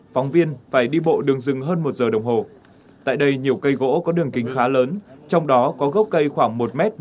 phóng viên phải đi bộ đường rừng hơn một giờ đồng hồ tại đây nhiều cây gỗ có đường kính khá lớn trong đó có gốc cây khoảng một m